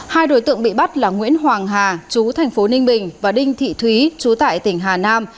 hai đối tượng bị bắt là nguyễn hoàng hà chú thành phố ninh bình và đinh thị thúy chú tại tỉnh hà nam